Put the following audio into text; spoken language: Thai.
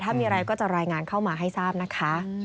ถ้ามีอะไรก็จะรายงานเข้ามาให้ทราบนะคะ